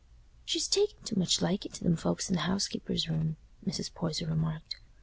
"She's takin' too much likin' to them folks i' the housekeeper's room," Mrs. Poyser remarked.